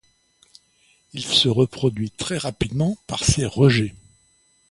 Il se reproduit très rapidement par ses rejets.